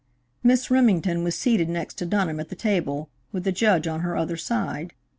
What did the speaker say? Miss Remington was seated next to Dunham at the table, with the Judge on her other side.